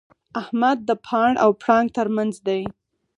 احمد د پاڼ او پړانګ تر منځ دی.